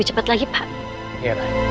tidak tidak tidak